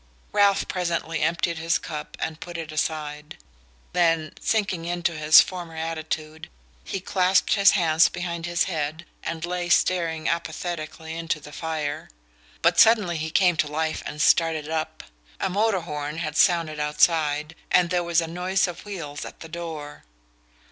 Ralph presently emptied his cup and put it aside; then, sinking into his former attitude, he clasped his hands behind his head and lay staring apathetically into the fire. But suddenly he came to life and started up. A motor horn had sounded outside, and there was a noise of wheels at the door.